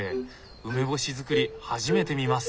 梅干し作り初めて見ます！